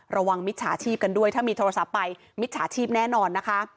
มิจฉาชีพกันด้วยถ้ามีโทรศัพท์ไปมิจฉาชีพแน่นอนนะคะ